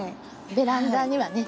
ベランダにはね